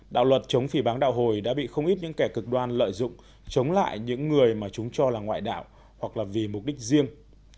đạo luật chống phì bán đạo hồi đã bị không ít những kẻ cực đoan lợi dụng chống lại những người mà chúng cho là ngoại đạo hoặc là vì mục đích riêng